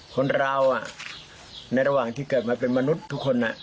คนเราในระหว่างที่เกิดมาเป็นมนุษย์ทุกคน